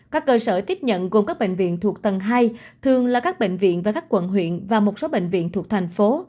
các cơ sở tiếp nhận gồm các bệnh viện thuộc tầng hai thường là các bệnh viện và các quận huyện và một số bệnh viện thuộc thành phố